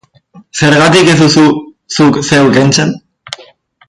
Zergatik ez duzu zuk zeuk kentzen?